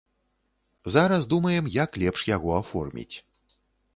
Зараз думаем, як лепш яго аформіць.